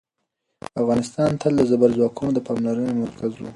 افغانستان تل د زبرځواکونو د پاملرنې مرکز و.